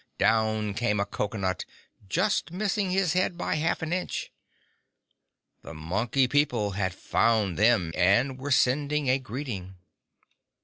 Down came a cocoanut, just missing his head by half an inch! The Monkey People had found them, and were sending a greeting.